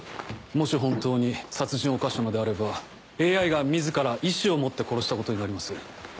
もし本当に殺人を犯したのであればＡＩが自ら意志を持って殺したことになります。